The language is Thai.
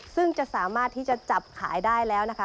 ซึ่งจะสามารถที่จะจับขายได้แล้วนะคะ